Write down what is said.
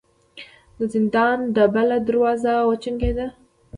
د زندان ډبله دروازه وچونګېده.